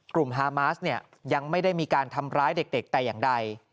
กลุ่มฮามาสยังไม่ได้มีการทำร้ายเด็กแต่อย่างใด